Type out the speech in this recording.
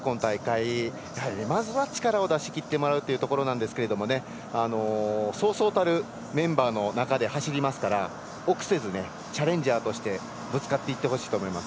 やはりまずは力を出しきってもらうというところなんですがそうそうたるメンバーの中で走りますから臆せずチャレンジャーとしてぶつかっていってほしいと思います。